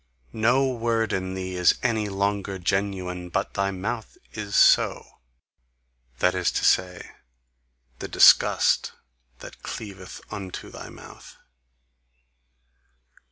No word in thee is any longer genuine, but thy mouth is so: that is to say, the disgust that cleaveth unto thy mouth."